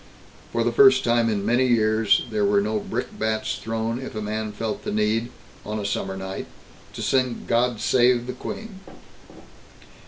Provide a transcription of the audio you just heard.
For the first time in many years, there were no brickbats thrown if a man felt the need, on a summer night, to sing "God Save the Queen."